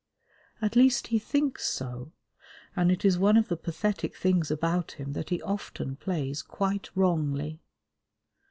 At least he thinks so, and it is one of the pathetic things about him that he often plays quite wrongly.